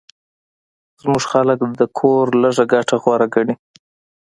زموږ خلک د کور لږه ګټه غوره ګڼي